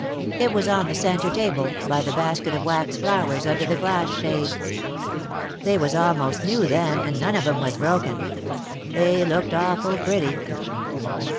It was on the centre table, by the basket of wax flowers under the glass shade. They was almost new then and none of 'em was broken. They looked awful pretty.